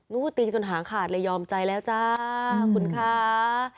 ตีจนหางขาดเลยยอมใจแล้วจ้าคุณคะ